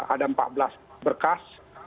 ada empat belas berkas